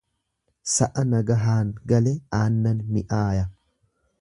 Sa'a nagahaan gale aannan mi'aya.